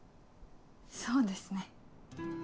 そうですね。